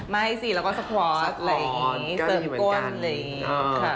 ไม่สิแล้วก็สกวอตเสิมก้นอะไรอย่างงี้ค่ะ